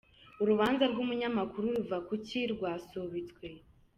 Urubanza rw’umunyamakuru Ruvakuki rwasubitswe